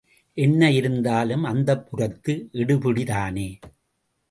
என்ன இருந்தாலும் அந்தப்புரத்து எடுபிடி தானே.